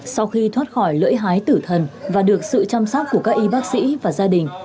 sau khi thoát khỏi lưỡi hái tử thần và được sự chăm sóc của các y bác sĩ và gia đình